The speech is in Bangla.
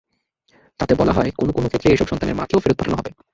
তাতে বলা হয়, কোনো কোনো ক্ষেত্রে এসব সন্তানের মাকেও ফেরত পাঠানো হবে।